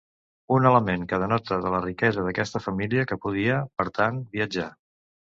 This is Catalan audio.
Un element que denota de la riquesa d'aquesta família que podia, per tant, viatjar.